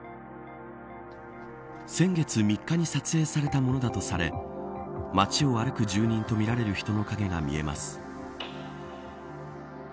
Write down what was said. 先月３日に撮影されたものだとされ町を歩く住人とみられる人の影が見えます。